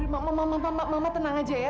mama tenang aja ya